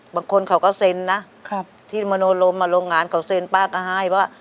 บางคนเขาก็เซ็นนะที่มโนรมโรงงานเขาเซ็นป้าก็ให้ว่า